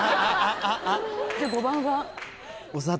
じゃあ５番は。